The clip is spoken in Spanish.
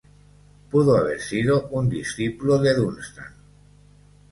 Pudo haber sido un discípulo de Dunstan.